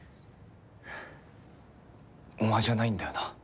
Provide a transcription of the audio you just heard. お前じゃないんだよな？